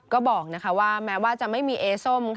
ก็บอกว่าแม้ว่าจะไม่มีเอส้ม